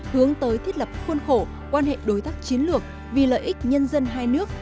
hướng tới thiết lập khuôn khổ quan hệ đối tác chiến lược vì lợi ích nhân dân hai nước